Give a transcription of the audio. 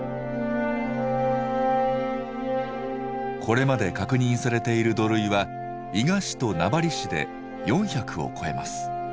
これまで確認されている土塁は伊賀市と名張市で４００を超えます。